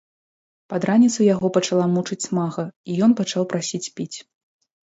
Пад раніцу яго пачала мучыць смага, і ён пачаў прасіць піць.